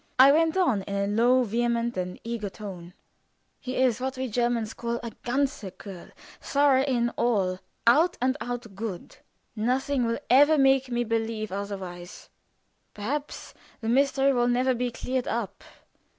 I went on in a vehement and eager tone: "He is what we Germans call a ganzer kerl thorough in all out and out good. Nothing will ever make me believe otherwise. Perhaps the mystery will never be cleared up.